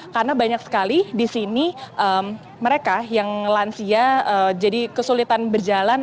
karena banyak sekali di sini mereka yang lansia jadi kesulitan berjalan